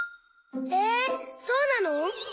えそうなの？